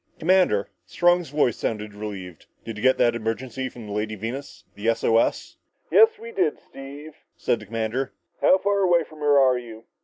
"Commander!" Strong's voice sounded relieved. "Did you get that emergency from the Lady Venus the S O S?" "Yes, we did, Steve," said the commander. "How far away from her are you?"